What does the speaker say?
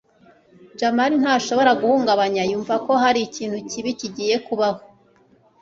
jamali ntashobora guhungabana yumva ko hari ikintu kibi kigiye kubaho